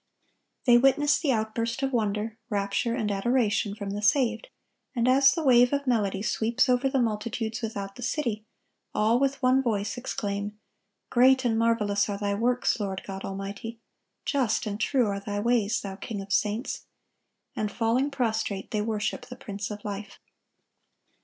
They witness the outburst of wonder, rapture, and adoration from the saved; and as the wave of melody sweeps over the multitudes without the city, all with one voice exclaim, "Great and marvelous are Thy works, Lord God Almighty; just and true are Thy ways, Thou King of saints;"(1161) and falling prostrate, they worship the Prince of life.